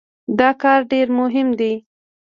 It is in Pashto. دا کار ډېر مهم دی.